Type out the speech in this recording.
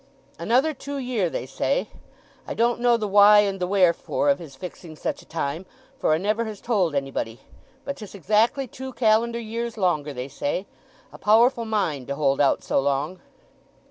"Another two year, they say. I don't know the why and the wherefore of his fixing such a time, for 'a never has told anybody. But 'tis exactly two calendar years longer, they say. A powerful mind to hold out so long!"